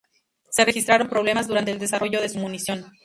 Se registraron problemas durante el desarrollo de su munición.